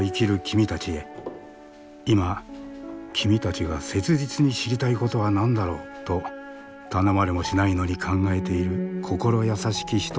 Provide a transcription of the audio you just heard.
今君たちが切実に知りたいことは何だろう？と頼まれもしないのに考えている心優しき人たちがいる。